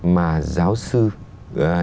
mà giáo sư giáo sư giáo sư giáo sư giáo sư